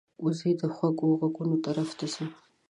وزې د خوږو غږونو طرف ته ځي